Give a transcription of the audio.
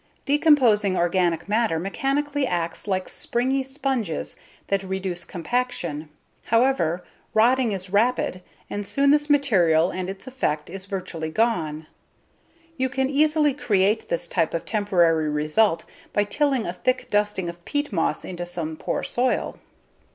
Decomposing organic matter mechanically acts like springy sponges that reduce compaction. However, rotting is rapid and soon this material and its effect is virtually gone. You can easily create this type of temporary result by tilling a thick dusting of peat moss into some poor soil.